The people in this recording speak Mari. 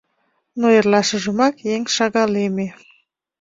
Но эрлашыжымак еҥ шагалеме.